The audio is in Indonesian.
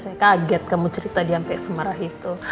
saya kaget kamu cerita dia sampai semarah itu